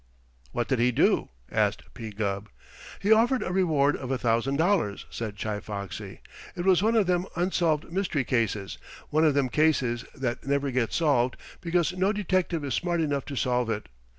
"What did he do?" asked P. Gubb. "He offered a reward of a thousand dollars," said Chi Foxy. "It was one of them unsolved mystery cases one of them cases that never get solved because no detective is smart enough to solve it.